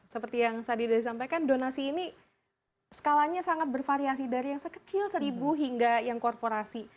seperti yang tadi sudah disampaikan donasi ini skalanya sangat bervariasi dari yang sekecil seribu hingga yang korporasi